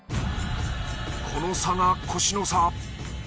この差がコシの差。